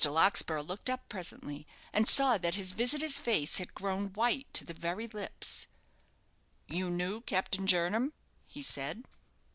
Larkspur looked up presently, and saw that his visitor's face had grown white to the very lips. "You knew Captain Jernam?" he said.